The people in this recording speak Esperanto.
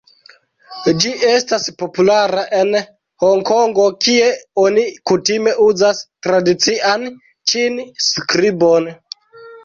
Ĝi estas populara en Honkongo kie oni kutime uzas tradician ĉin-skribon.